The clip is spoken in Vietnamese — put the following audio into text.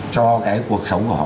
cho cái cuộc sống của họ